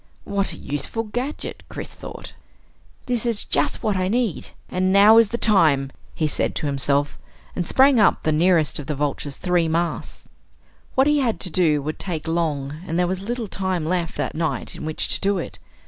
What a useful gadget! Chris thought. This is just what I need and now is the time! he said to himself, and sprang up the nearest of the Vulture's three masts. What he had to do would take long, and there was little time left that night in which to do it.